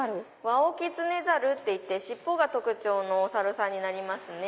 ワオキツネザルっていって尻尾が特徴のお猿さんになります。